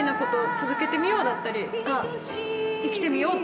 続けてみようだったり生きてみよう！